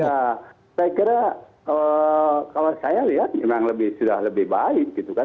ya saya kira kalau saya lihat memang sudah lebih baik gitu kan